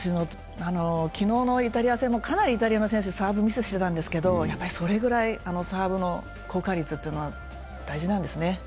昨日のイタリア戦もかなりイタリア選手、サーブミスしてたんですけどそれぐらいサーブの効果率っていうのは大事なんですね。